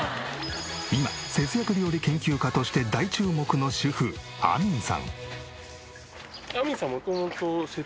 今節約料理研究家として大注目の主婦あみんさん。